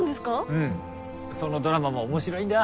うんそのドラマも面白いんだ。